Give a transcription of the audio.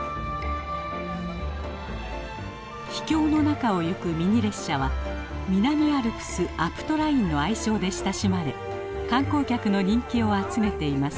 秘境の中を行くミニ列車は南アルプスあぷとラインの愛称で親しまれ観光客の人気を集めています。